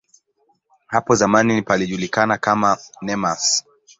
Hapo zamani palijulikana kama "Nemours".